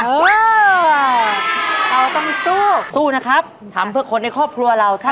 เออเราต้องสู้สู้นะครับทำเพื่อคนในครอบครัวเรา